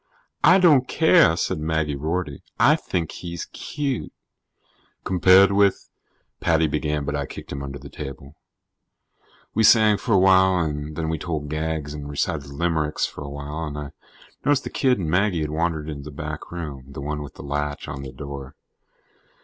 "I don't care," said Maggie Rorty. "I think he's cute." "Compared with " Paddy began, but I kicked him under the table. We sang for a while, and then we told gags and recited limericks for a while, and I noticed that the kid and Maggie had wandered into the back room the one with the latch on the door.